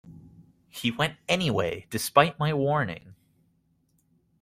He went anyway, despite my warning.